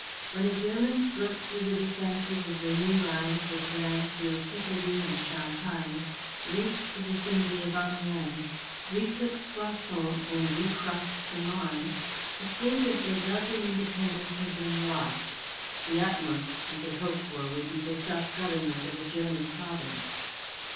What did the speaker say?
When the Germans broke through the defences of the new lines which ran through Picardy and Champagne, reached the vicinity of Amiens, retook Soissons, and recrossed the Marne, it seemed as though Belgian independence had been lost; the utmost she could hope for would be the self government of a German province.